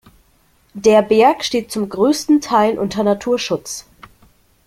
Der Berg steht zum größten Teil unter Naturschutz.